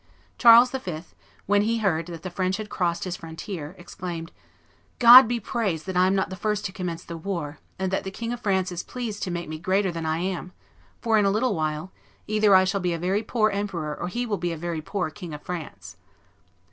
Charles V., when he heard that the French had crossed his frontier, exclaimed, "God be praised that I am not the first to commence the war, and that the King of France is pleased to make me greater than I am, for, in a little while, either I shall be a very poor emperor or he will be a poor King of France."